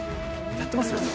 やってますよね？